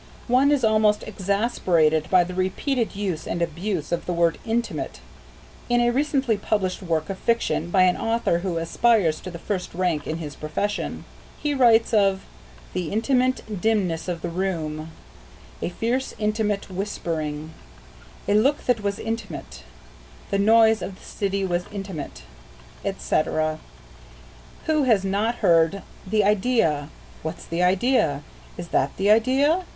One is almost exasperated by the repeated use and abuse of the word "intimate" in a recently published work of fiction, by an author who aspires to the first rank in his profession. He writes of "the intimate dimness of the room;" "a fierce intimate whispering;" "a look that was intimate;" "the noise of the city was intimate," etc. Who has not heard, "The idea!" "What's the idea?" "Is that the idea?"